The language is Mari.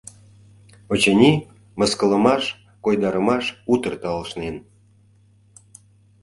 Очыни, мыскылымаш, койдарымаш утыр талышнен.